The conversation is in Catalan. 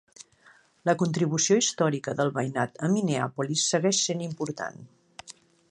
La contribució històrica del veïnat a Minneapolis segueix sent important.